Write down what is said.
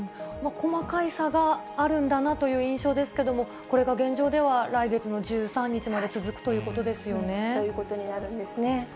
細かい差があるんだなという印象ですけれども、これが現状では来月の１３日まで続くというこそういうことになるんですね。